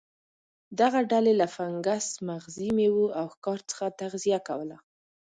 دغه ډلې له فنګس، مغزي میوو او ښکار څخه تغذیه کوله.